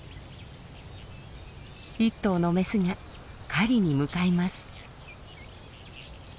１頭のメスが狩りに向かいます。